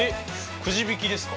くじびきですか？